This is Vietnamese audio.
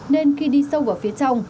nên khi đi sâu vào phía trong